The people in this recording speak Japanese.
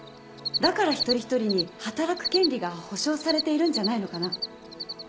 だから一人一人に働く権利が保障されているんじゃないのかな。